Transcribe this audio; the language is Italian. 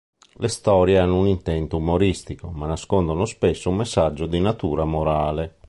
Le storie hanno un intento umoristico, ma nascondono spesso un messaggio di natura morale.